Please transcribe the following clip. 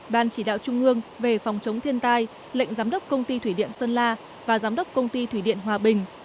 ban chỉ đạo trung ương về phòng chống thiên tai lệnh giám đốc công ty thủy điện sơn la và giám đốc công ty thủy điện hòa bình